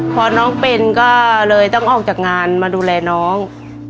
พอน้องเป็นก็เลยต้องออกจากงานมาดูแลน้อง